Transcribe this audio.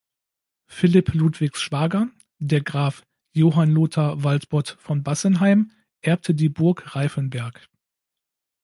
Philipp Ludwigs Schwager, der Graf Johann Lothar Waldbott von Bassenheim erbte die Burg Reiffenberg.